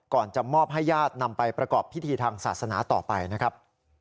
จะมอบให้ญาตินำไปประกอบพิธีทางศาสนาต่อไปนะครับ